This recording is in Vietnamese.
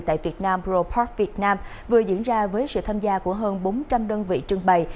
tại việt nam pro park việt nam vừa diễn ra với sự tham gia của hơn bốn trăm linh đơn vị trưng bày